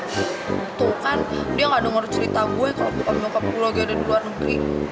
tuh kan dia gak denger cerita gue kalau bukan nyokap gue lagi ada di luar negeri